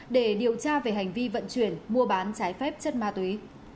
để điều tra về hành vi vận chuyển mua bán trái phép chất ma túy